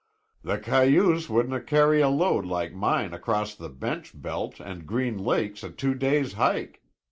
"The cayuse wouldna carry a weight like mine across the bench belt and Green Lake's a two days' hike.